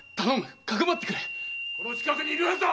・この近くにいるはずだ。